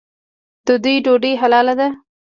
د دوی ډوډۍ حلاله ده.